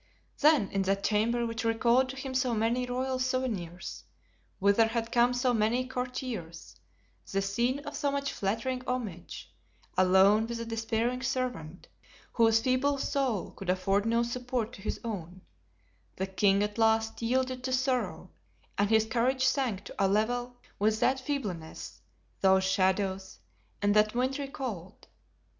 Then, in that chamber which recalled to him so many royal souvenirs, whither had come so many courtiers, the scene of so much flattering homage, alone with a despairing servant, whose feeble soul could afford no support to his own, the king at last yielded to sorrow, and his courage sank to a level with that feebleness, those shadows, and that wintry cold.